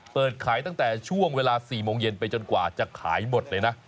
เปิดขายตั้งแต่ช่วงเวลา๔โมงเย็นไปจนกว่าจะขายหมดเลยนะ